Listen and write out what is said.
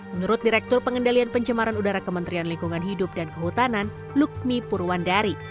menurut direktur pengendalian pencemaran udara kementerian lingkungan hidup dan kehutanan lukmi purwandari